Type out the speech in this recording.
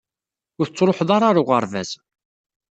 Ur tettruḥuḍ ara ɣer uɣerbaz.